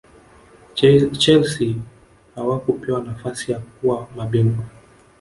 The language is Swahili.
chelsea hawakupewa nafasi ya kuwa mabingwa